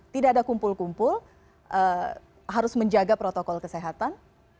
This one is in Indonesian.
tidak ada kumpul kumpul harus menjaga protokol kesehatan